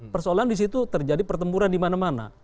persoalan disitu terjadi pertempuran dimana mana